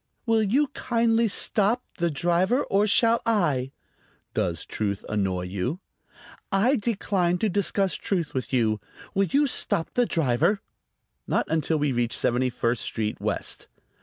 "Will you kindly stop, the driver, or shall I?" "Does truth annoy you?" "I decline to discuss truth with you. Will you stop the driver?" "Not until we reach Seventy first Street West."